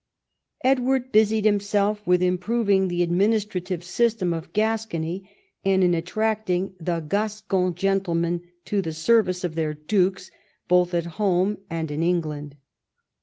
Edward busied himself with improving the adminis trative system of Gascony, and in attracting the Gascon gentlemen to the service of their dukes, both at home and in England.